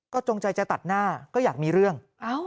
จงใจจะตัดหน้าก็อยากมีเรื่อง